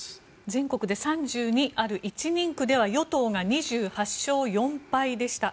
全国で３２ある１人区では与党が２８勝４敗でした。